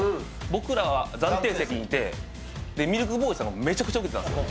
僕らは暫定席にいてミルクボーイさんがめちゃくちゃウケてたんですよ